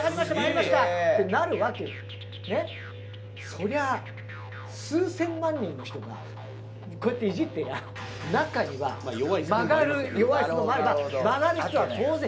そりゃ数千万人の人がこうやっていじってりゃ中には曲がる弱いスプーンもあれば曲がる人は当然いる。